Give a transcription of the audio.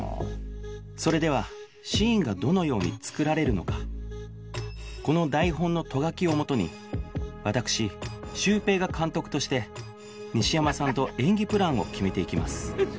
それではシーンがどのように作られるのかこの台本のト書きを元に私シュウペイが監督として西山さんと演技プランを決めていきます